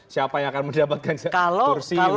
siapa yang akan mendapatkan kursi